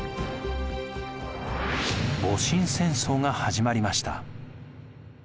戊辰戦争が始まりました。